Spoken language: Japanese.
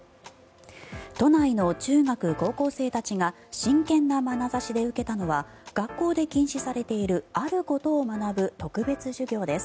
都内の中学・高校生たちが真剣なまなざしで受けたのは学校で禁止されているあることを学ぶ特別授業です。